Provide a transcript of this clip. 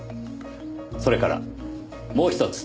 それからもうひとつ。